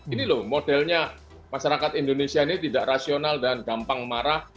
ini loh modelnya masyarakat indonesia ini tidak rasional dan gampang marah